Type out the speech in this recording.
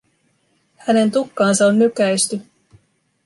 Hänen tukkaansa on nykäisty.